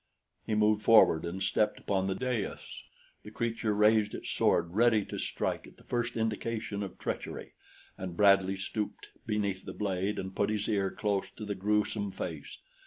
He moved forward and stepped upon the dais. The creature raised its sword ready to strike at the first indication of treachery, and Bradley stooped beneath the blade and put his ear close to the gruesome face.